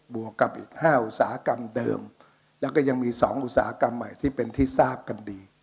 วกกับอีก๕อุตสาหกรรมเดิมแล้วก็ยังมี๒อุตสาหกรรมใหม่ที่เป็นที่ทราบกันดี